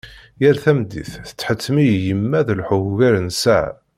Yal tameddit tettḥettim-iyi yemma ad lḥuɣ ugar n ssaɛa.